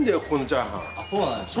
そうなんですね。